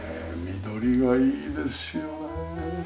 緑がいいですよね。